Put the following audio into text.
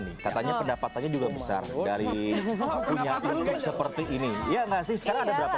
nih katanya pendapatannya juga besar dari punya bentuk seperti ini ya nggak sih sekarang ada berapa